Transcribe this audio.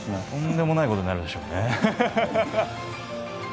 とんでもないことになるでしょうね。